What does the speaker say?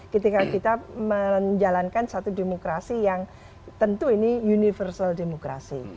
ketika kita menjalankan satu demokrasi yang tentu ini universal demokrasi